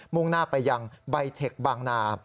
่งหน้าไปยังใบเทคบางนา